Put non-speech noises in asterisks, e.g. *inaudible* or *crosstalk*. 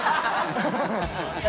ハハハ *laughs*